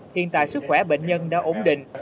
hiện tại sức khỏe bệnh nhân đã ổn định